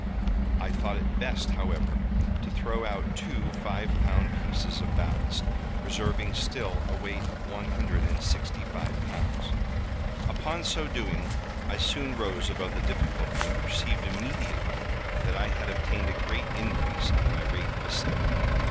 I thought it best, however, to throw out two five pound pieces of ballast, reserving still a weight of one hundred and sixty five pounds. Upon so doing, I soon rose above the difficulty, and perceived immediately, that I had obtained a great increase in my rate of ascent.